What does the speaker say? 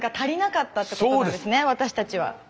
私たちは。